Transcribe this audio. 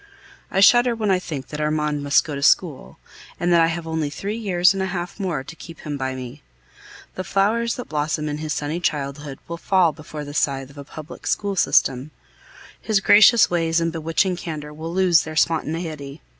I shudder when I think that Armand must go to school, and that I have only three years and a half more to keep him by me. The flowers that blossom in his sunny childhood will fall before the scythe of a public school system; his gracious ways and bewitching candor will lose their spontaneity.